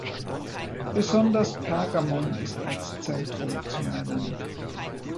Besonders Pergamon ist als Zentrum zu nennen.